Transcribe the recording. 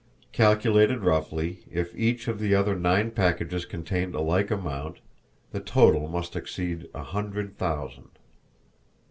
Calculated roughly, if each of the other nine packages contained a like amount, the total must exceed a hundred thousand.